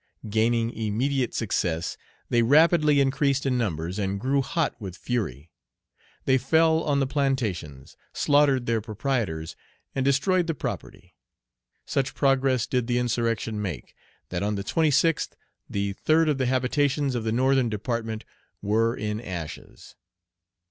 Gaining immediate success, they rapidly increased in numbers, and grew hot with fury. They fell on the plantations, slaughtered their proprietors, and destroyed the property. Such progress did the insurrection make, that on the 26th, the third of the habitations of the Northern Department were in ashes.